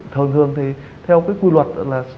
thường thường thì theo quy luật